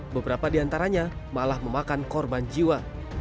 beberapa di antaranya malah memakan korban jiwa